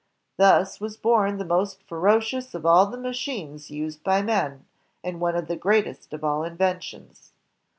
Thus was bom the most ferocious of all the machines used by men, and one of the greatest of all inventions.